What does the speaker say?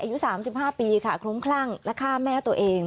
อายุ๓๕ปีค่ะคลุ้มคลั่งและฆ่าแม่ตัวเอง